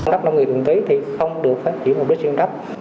đất nông nghiệp thuần túy thì không được phát triển mục đích sử dụng đất